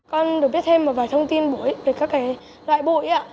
con được biết thêm một vài thông tin bụi về các loại bụi ạ